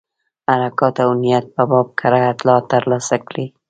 حرکاتو او نیتونو په باب کره اطلاعات ترلاسه کړي.